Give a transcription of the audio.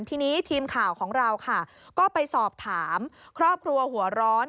ทีนี้ทีมข่าวของเราค่ะก็ไปสอบถามครอบครัวหัวร้อน